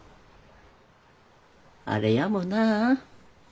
あれやもな。